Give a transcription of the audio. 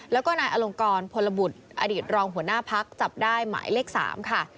แล้วก็นายอลงกรพลบุตรอดีตรองหัวหน้าพักจับได้หมายเลข๓ค่ะ